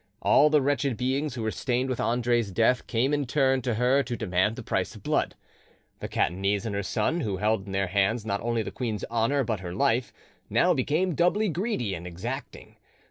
All the wretched beings who were stained with Andre's death came in turn to her to demand the price of blood. The Catanese and her son, who held in their hands not only the queen's honour but her life, now became doubly greedy and exacting.